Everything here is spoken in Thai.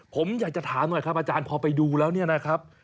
ผมอยากจะถามหน่อยครับอาจารย์พอไปดูแล้วเนี่ยนะครับ